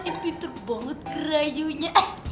cipitur banget kerayunya